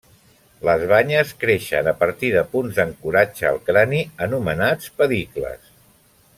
Les banyes creixen a partir de punts d'ancoratge al crani anomenats pedicles.